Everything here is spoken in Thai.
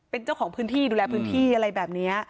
เป็นเจ้าของพื้นที่ดูแลพื้นที่อะไรแบบนี้